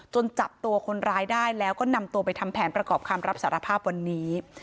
จับตัวคนร้ายได้แล้วก็นำตัวไปทำแผนประกอบคำรับสารภาพวันนี้